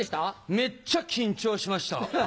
めっちゃ緊張しました！